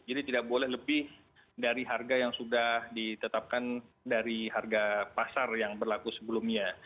jadi tidak boleh lebih dari harga yang sudah ditetapkan dari harga pasar yang berlaku sebelumnya